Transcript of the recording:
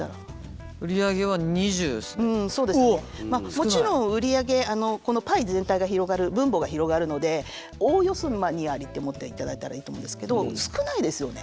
もちろん売り上げパイ全体が広がる分母が広がるのでおおよそ２割って思っていただいたらいいと思うんですけど少ないですよね。